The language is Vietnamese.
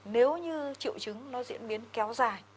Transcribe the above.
nếu như triệu chứng nó diễn biến kéo dài